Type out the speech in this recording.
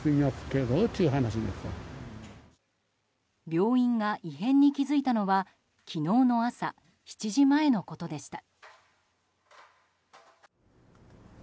病院が異変に気付いたのは昨日の朝７時前のことでした。